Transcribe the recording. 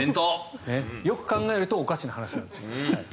よく考えるとおかしな話なんですが。